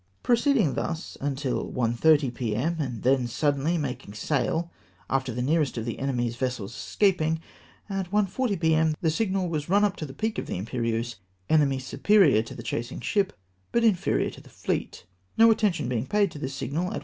Proceeding thus till 1.30 p.m., and then suddenly making sail after the nearest of the enemy's vessels escaping, at 1.40 p.m. the signal was run up to the peak of the Imperieuse, " Enemy superior to chasing ship, hut inferior to the fleet" No attention being paid to this signal, at 1.